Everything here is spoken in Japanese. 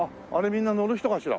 みんな乗る人かしら？